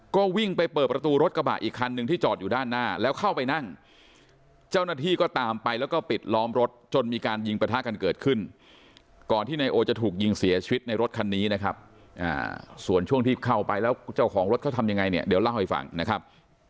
ก็วิ่งไปเปิดประตูรถกระบะอีกคันหนึ่งที่จอดอยู่ด้านหน้าแล้วเข้าไปนั่งเจ้าหน้าที่ก็ตามไปแล้วก็ปิดล้อมรถจนมีการยิงประทะกันเกิดขึ้นก่อนที่นายโอจะถูกยิงเสียชีวิตในรถคันนี้นะครับส่วนช่วงที่เข้าไปแล้วเจ้าของรถเขาทำยังไงเนี่ยเดี๋ยวเล่าให้ฟังนะครับ